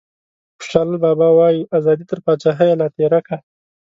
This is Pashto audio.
خوشحال بابا وايي ازادي تر پاچاهیه لا تیری کا.